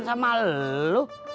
nggak ada apa apa beh